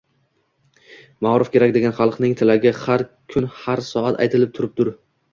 “Maorif kerak!” degan xalqning tilagi har kun har soat aytilub turubdur